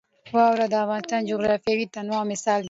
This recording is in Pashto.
واوره د افغانستان د جغرافیوي تنوع مثال دی.